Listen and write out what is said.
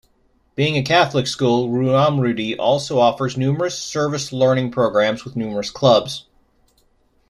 Being a Catholic school Ruamrudee also offers numerous service learning programs with numerous clubs.